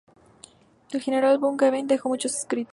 El General von Goeben dejó muchos escritos.